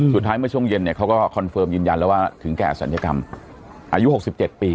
สุดท้ายเมื่อช่วงเย็นเนี้ยเขาก็ยืนยันแล้วว่าถึงแก่อสัญญกรรมอายุหกสิบเจ็ดปี